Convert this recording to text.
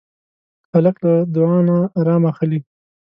هلک له دعا نه ارام اخلي.